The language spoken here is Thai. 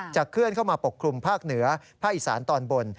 เคลื่อนเข้ามาปกคลุมภาคเหนือภาคอีสานตอนบน